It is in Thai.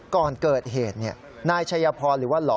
ก่อนเกิดเหตุนายชัยพรหรือว่าหล่อ